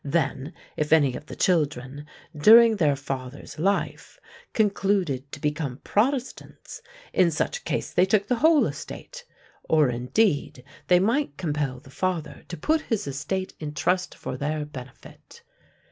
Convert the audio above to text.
Then, if any of the children, during their father's life, concluded to become Protestants, in such case they took the whole estate; or, indeed, they might compel the father to put his estate in trust for their benefit.